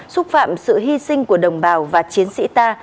xúc phạm sự hy sinh của đồng bào và chiến sĩ ta